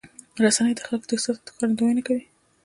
رسنۍ د خلکو د احساساتو ښکارندویي کوي.